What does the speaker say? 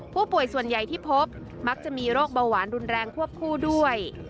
ผู้ป่วยส่วนใหญ่ที่พบมักจะมีโรคเบาหวานรุนแรงควบคู่ด้วย